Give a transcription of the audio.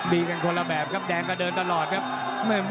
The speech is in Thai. ดีกันคนละแบบครับแดงก็เดินตลอดครับ